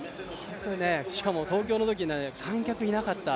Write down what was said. しかも東京のときは観客がいなかった。